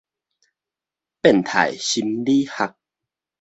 變態心理學